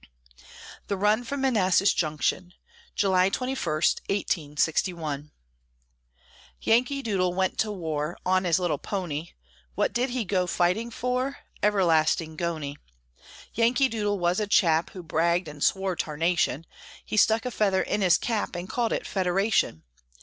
THE RUN FROM MANASSAS JUNCTION [July 21, 1861] Yankee Doodle went to war, On his little pony; What did he go fighting for, Everlasting goney! Yankee Doodle was a chap Who bragged and swore tarnation, He stuck a feather in his cap, And called it Federation.